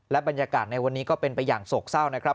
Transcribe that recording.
บรรยากาศในวันนี้ก็เป็นไปอย่างโศกเศร้านะครับ